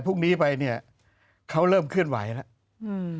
ผมว่าก็เริ่มเคลื่อนไหวแล้ว